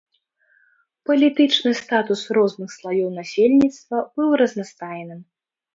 Палітычны статус розных слаёў насельніцтва быў разнастайным.